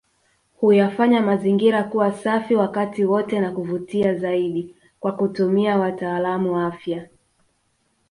Huyafanya mazingira kuwa safi wakati wote na kuvutia zaidi Kwa kutumia watalaamu afya